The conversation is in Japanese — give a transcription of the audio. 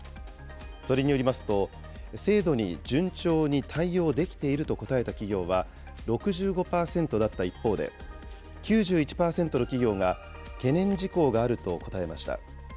それによりますと、制度に順調に対応できていると答えた企業は６５％だった一方で、９１％の企業が懸念事項があると答えました。